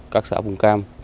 các xã vùng cam